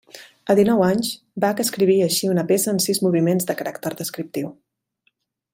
A dinou anys, Bach escrivia així una peça en sis moviments de caràcter descriptiu.